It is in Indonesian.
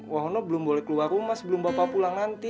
wahono belum boleh keluar rumah sebelum bapak pulang nanti